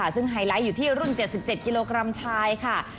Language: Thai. ซึ่งไฮไลท์อยู่ที่รุ่น๗๗กิโลกรัมชายค่ะ